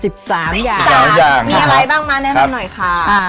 ๑๓อย่างมีอะไรบ้างมาน้ำหน่อยค่ะ